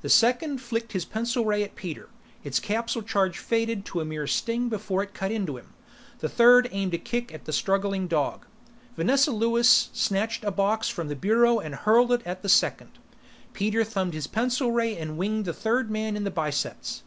The second flicked his pencil ray at Peter, its capsule charge faded to a mere sting before it cut into him. The third aimed a kick at the struggling dog. Vanessa Lewis snatched a box from the bureau and hurled it at the second. Peter thumbed his pencil ray and winged the third man in the biceps.